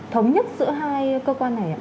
thống nhất giữa hai cơ quan này ạ